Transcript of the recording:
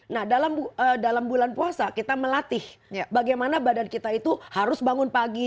nah dalam bulan puasa kita melatih bagaimana badan kita itu harus bangun pagi